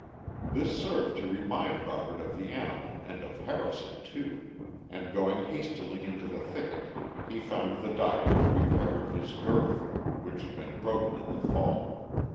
This served to remind Robert of the animal and of Harrison too, and going hastily into the thicket he found the Doctor repairing his girth, which had been broken in the fall.